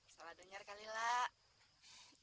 salah denger kali lah